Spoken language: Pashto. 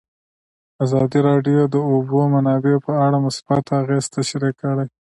ازادي راډیو د د اوبو منابع په اړه مثبت اغېزې تشریح کړي.